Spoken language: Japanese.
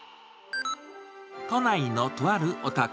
都内のとあるお宅。